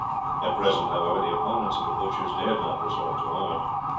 At present, however, the opponents of the butchers dared not resort to arms.